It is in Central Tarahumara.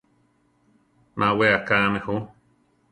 Má wé akáme jú.